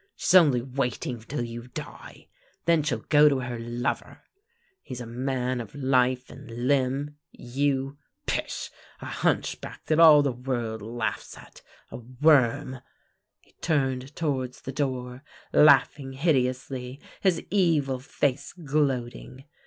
She's only waiting till you die. Then she'll go to her lover. He's a man of life and limb. You — pish! a hunchback that all the world laughs at, a worm —" he turned towards the door, laughing hideously, his evil face gloating.